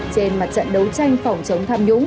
trên mặt trận đấu tranh phòng chống tham nhũng